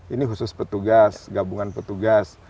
ini khusus petugas gabungan petugas